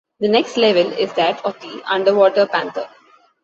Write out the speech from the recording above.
The next level is that of the Underwater Panther.